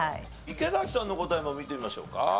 池さんの答えも見てみましょうか。